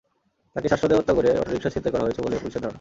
তাকে শ্বাসরোধে হত্যা করে অটোরিকশা ছিনতাই করা হয়েছে বলে পুলিশের ধারণা।